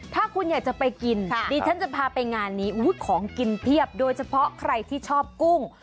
ถ้าคุณอยากจะไปกินดิฉันจะพาไปงานนี้ของกินเพียบโดยเฉพาะใครที่ชอบกุ้ง